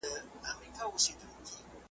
پلار له زوی او زوی له پلار سره جنګیږي .